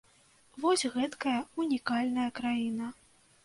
Вось гэткая ўнікальная краіна.